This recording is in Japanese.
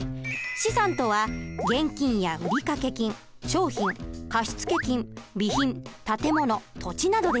資産とは現金や売掛金商品貸付金備品建物土地などでした。